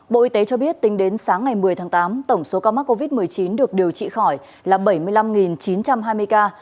bộ y tế cho biết tính đến sáng ngày một mươi tháng tám tổng số ca mắc covid một mươi chín được điều trị khỏi là bảy mươi năm chín trăm hai mươi ca